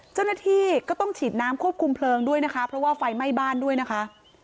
เจ้าหน้าที่ก็ต้องฉีดน้ำควบคุมเพลิงด้วยนะคะเพราะว่าไฟไหม้บ้านด้วยนะคะ